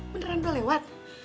beneran udah lewat